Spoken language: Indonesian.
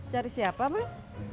cari siapa mas